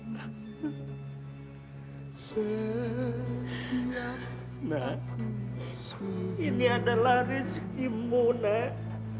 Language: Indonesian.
nek ini adalah rezikimu nek